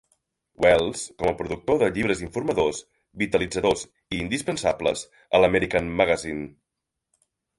Wells com a productor de "llibres informadors, vitalitzadors i indispensables" a l'"American Magazine".